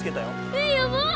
えっやばっ！